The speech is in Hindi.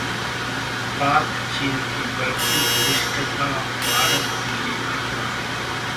'पाक-चीन की बढ़ती घनिष्ठता भारत के लिए खतरा'